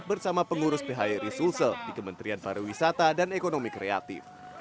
bersama pengurus phi resulsel di kementerian pariwisata dan ekonomi kreatif